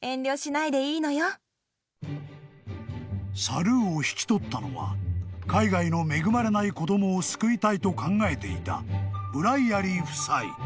［サルーを引き取ったのは海外の恵まれない子供を救いたいと考えていた］